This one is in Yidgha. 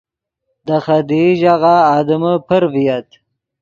دے خدیئی ژاغہ آدمے پر ڤییت